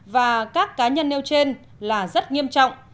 và các cá nhân nêu trên là rất nghiêm trọng